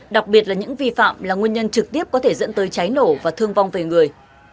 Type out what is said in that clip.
đặc biệt là những vi phạm là nguyên nhân trực tiếp có thể dẫn tới cháy nổ và thương vong về người